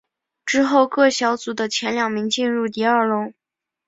之后各小组的前两名进入第二轮。